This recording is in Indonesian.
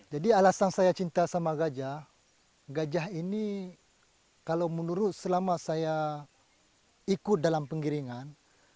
jadi alasan saya cinta sama gajah gajah ini kalau menurut selama saya ikut dalam pengiringan